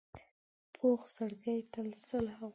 پوخ زړګی تل صلح غواړي